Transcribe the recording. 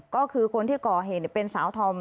ก็คือคนที่ก่อเหตุเป็นสาวธอม